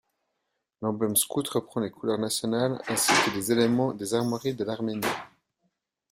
L'emblème scout reprend les couleurs nationales ainsi que des éléments des armoiries de l'Arménie.